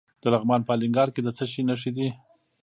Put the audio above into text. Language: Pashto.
د لغمان په الینګار کې د څه شي نښې دي؟